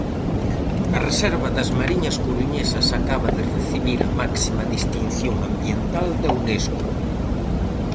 A reserva das Mariñas coruñesas acaba de recibir a máxima distinción ambiental da Unesco.